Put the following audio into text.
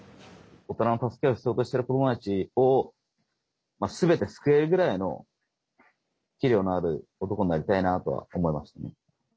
大人の助けを必要としてる子どもたちを全て救えるぐらいの器量のある男になりたいなとは思います。